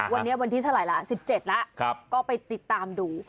วันนี้วันที่เท่าไหร่ละ๑๗แล้วก็ไปติดตามดู